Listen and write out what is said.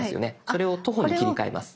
それを「徒歩」に切り替えます。